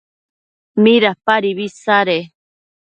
¿midapadibi isade?